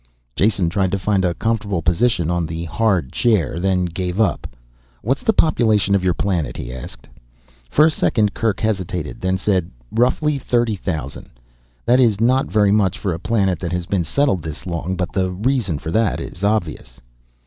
Jason tried to find a comfortable position on the hard chair, then gave up. "What's the population of your planet?" he asked. For a second Kerk hesitated, then said, "Roughly thirty thousand. That is not very much for a planet that has been settled this long, but the reason for that is obvious."